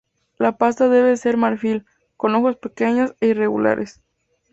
La pasta debe ser marfil, con ojos pequeños e irregulares.